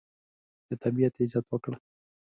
د طبیعت عزت وکړه.